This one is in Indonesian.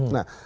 nah itu benar